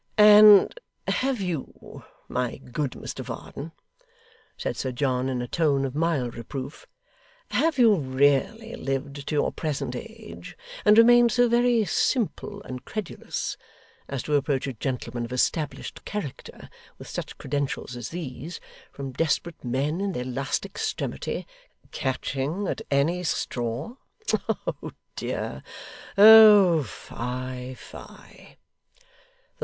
'And have you, my good Mr Varden,' said Sir John in a tone of mild reproof, 'have you really lived to your present age, and remained so very simple and credulous, as to approach a gentleman of established character with such credentials as these, from desperate men in their last extremity, catching at any straw? Oh dear! Oh fie, fie!